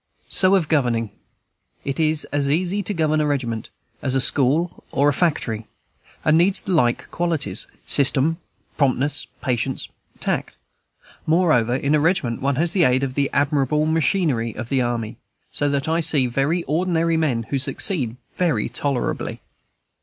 So of governing; it is as easy to govern a regiment as a school or a factory, and needs like qualities, system, promptness, patience, tact; moreover, in a regiment one has the aid of the admirable machinery of the army, so that I see very ordinary men who succeed very tolerably.